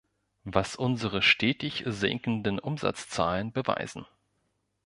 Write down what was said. Was unsere stetig sinkenden Umsatzzahlen beweisen“".